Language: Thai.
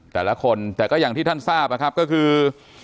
แต่ละคนแต่ก็อย่างที่ท่านทราบนะครับก็คือ